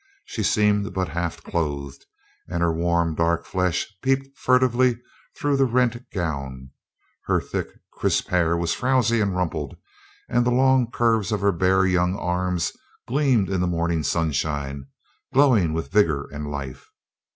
She seemed but half clothed, and her warm, dark flesh peeped furtively through the rent gown; her thick, crisp hair was frowsy and rumpled, and the long curves of her bare young arms gleamed in the morning sunshine, glowing with vigor and life.